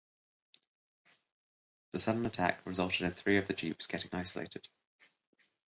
The sudden attack resulted in three of the jeeps getting isolated.